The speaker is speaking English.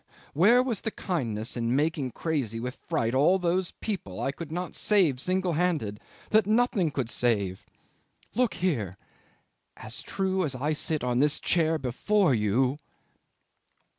Where was the kindness in making crazy with fright all those people I could not save single handed that nothing could save? Look here! As true as I sit on this chair before you